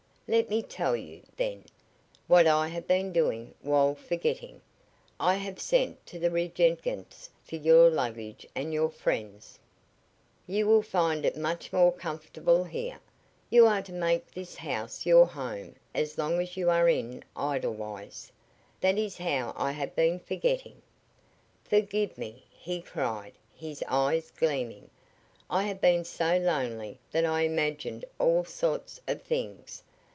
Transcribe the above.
"Let me tell you, then, what I have been doing while forgetting. I have sent to the Regengetz for your luggage and your friend's. You will find it much more comfortable here. You are to make this house your home as long as you are in Edelweiss. That is how I have been forgetting." "Forgive me!" he cried, his eyes gleaming. "I have been so lonely that I imagined all sorts of things.